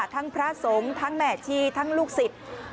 พระสงฆ์ทั้งแม่ชีทั้งลูกศิษย์